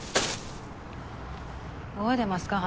覚えてますか？